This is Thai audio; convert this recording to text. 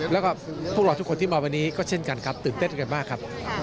แล้วก็พวกเราทุกคนที่มาวันนี้ก็เช่นกันครับตื่นเต้นกันมากครับ